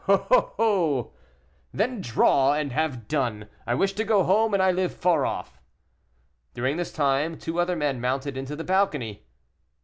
"Oh, oh!" "Then, draw and have done; I wish to go home and I live far off." During this time two other men mounted into the balcony.